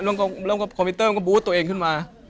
แล้วคอมพิวเตอร์ก็ให้ปรับวะขึ้นเองมา